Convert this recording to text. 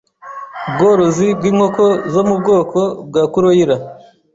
ubworozi bw’inkoko zo mu bwoko bwa Kuloirer